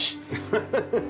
ハハハハハ！